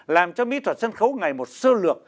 làm cho mỹ thuật sân khấu ngày một sơ lược